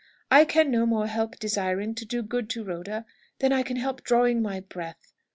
I can no more help desiring to do good to Rhoda than I can help drawing my breath.